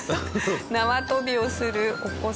縄跳びをするお子さんだったり。